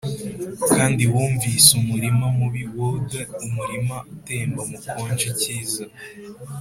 kandi wunvise umurima mubi, woed umurima utemba mukonje kiza,